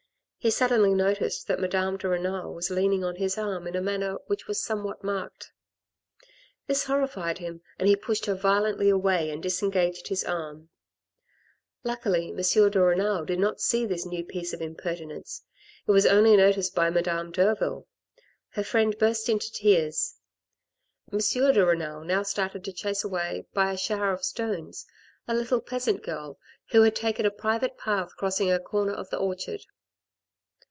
He suddenly noticed that Madame de Renal was leaning on his arm in a manner which was some what marked. This horrified him, and he pushed her violently away and disengaged his arm. Luckily, M. de Renal did not see this new piece of im pertinence ; it was only noticed by Madame Derville. Her friend burst into tears. M. de Renal now started to chase away by a shower of stones a little peasant girl who had taken a private path crossing a corner of the orchard.